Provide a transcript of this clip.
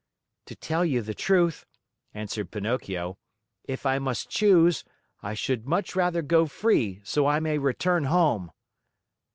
"To tell you the truth," answered Pinocchio, "if I must choose, I should much rather go free so I may return home!"